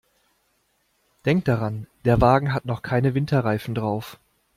Denk daran, der Wagen hat noch keine Winterreifen drauf.